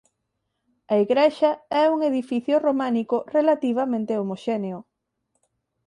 A igrexa é un edificio románico relativamente homoxéneo.